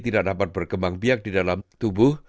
tidak dapat berkembang biak di dalam tubuh